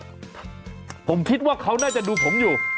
ผมคิดว่าเขาน่าจะดูผมอยู่